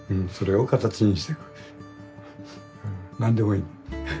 何でもいい。